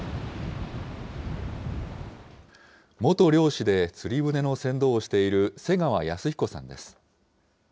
元漁師で釣り船の船頭をしている瀬川康彦さんです。